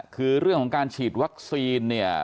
คือเรื่องของการฉีดวัคซีนเนี่ย